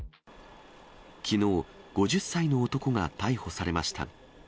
きのう、５０歳の男が逮捕されました。